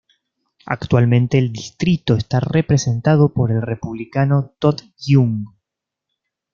Actualmente el distrito está representado por el Republicano Todd Young.